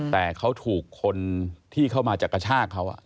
แต่เขาถูกคนที่เข้ามาจะกระชากเขา